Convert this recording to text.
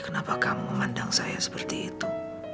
kenapa kamu memandang saya seperti itu